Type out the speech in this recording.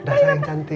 dah sayang cantik